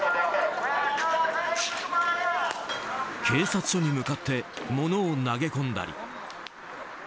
警察署に向かって物を投げ込んだり。